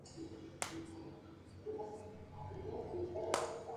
La pasta presenta pequeños dobleces.